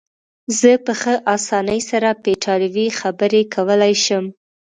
زه په ښه اسانۍ سره په ایټالوي خبرې کولای شم.